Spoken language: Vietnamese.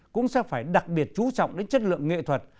cũng sẽ phải đặc biệt chú trọng đến chất lượng nghệ thuật